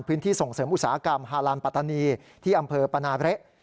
พื้นที่ส่งเสริมอุตสาหกรรมฮาลันด์ปะตะนีที่อำเภอปานาเระ